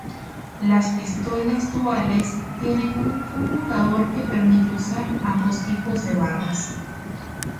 Las pistolas duales tienen un conmutador que permite usar ambos tipos de barras.